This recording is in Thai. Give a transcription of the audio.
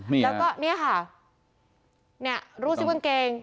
แล้วก็เนี่ยค่ะเนี่ยรูดซิกางเกง